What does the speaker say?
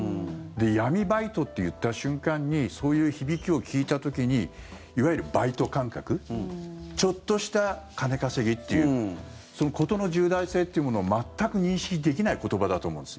闇バイトって言った瞬間にそういう響きを聞いた時にいわゆるバイト感覚ちょっとした金稼ぎという事の重大性というものを全く認識できない言葉だと思うんです。